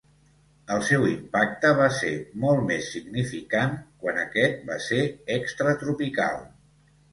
El seu impacte va ser molt més significant quan aquest va ser extratropical.